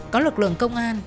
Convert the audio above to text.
có lực lượng công an